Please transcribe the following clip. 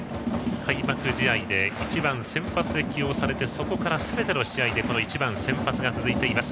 開幕試合で、１番先発で起用されてそこからすべての試合で先発起用が続いています。